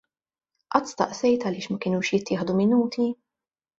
Qatt staqsejt għaliex ma kenux jittieħdu Minuti?